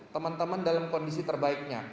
teman teman dalam kondisi terbaiknya